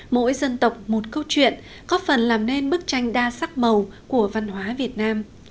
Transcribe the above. mỗi dân tộc một câu chuyện góp phần làm nên bức tranh đa sắc màu của văn hóa việt nam